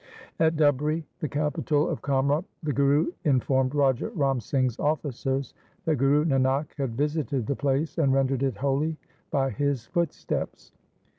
At Dhubri, the capital of Kamrup, the Guru in formed Raja Ram Singh's officers that Guru Nanak had visited the place and rendered it holy by his footsteps.